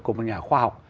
của một nhà khoa học